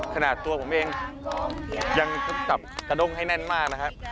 ขนาดตัวผมเองยังจับกระด้งให้แน่นมากนะครับ